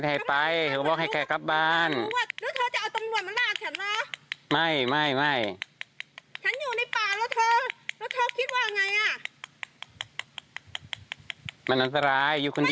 ฉันไม่ได้เป็นอะไรกับคุณเธอแล้วทำไมฉันได้ต้องไปกับคุณเธอ